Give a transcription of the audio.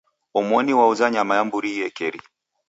Omoni wauza nyama ya mburi iekeri.